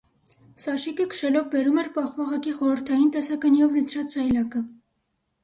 Սաշիկը քշելով բերում էր պաղպաղակի խորհրդային տեսականիով լցրած սայլակը։